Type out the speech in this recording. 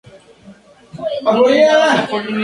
Existe únicamente con carrocería sedán de cuatro puertas.